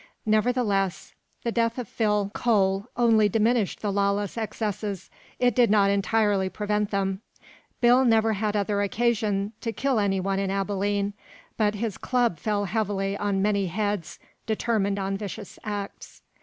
Nevertheless, the death of Phil. Cole only diminished the lawless excesses it did not entirely prevent them. Bill never had another occasion to kill anyone in Abilene, but his club fell heavily on many heads determined on vicious acts.